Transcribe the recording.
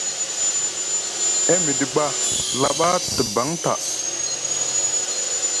E miɗi ɓa laɓa te baŋ ta.